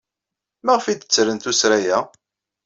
Maɣef ay d-ttren tuttra-a?